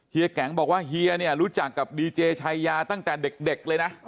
แก๊งบอกว่าเฮียเนี่ยรู้จักกับดีเจชายาตั้งแต่เด็กเลยนะ